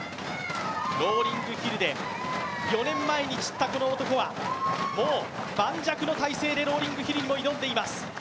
ローリングヒルで４年前に散ったこの男はもう、盤石の態勢でローリングヒルにも挑んでいます。